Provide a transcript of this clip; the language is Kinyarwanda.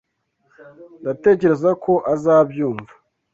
Ndatekereza ko azabyumva.